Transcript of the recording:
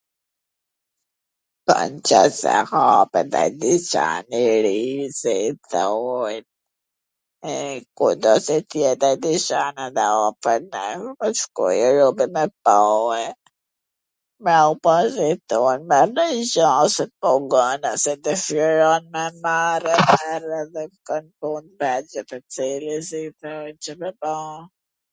Po nqoftse hapet ndoj dyqan i ri, kudo qw t jet ai dyqan un po shkoj me pa, merr nonj gja sw t mungon ose dwshiron me marrw .... Ca me ba...